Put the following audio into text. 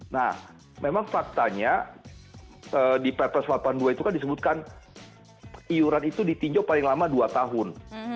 nah memang faktanya di pps delapan puluh dua itu kan disebutkan iuran itu ditinjau paling lama dua tahun